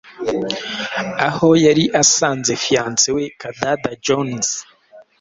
aho yari asanze fiancé we Kadada Jons